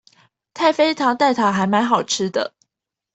太妃糖蛋塔還滿好吃的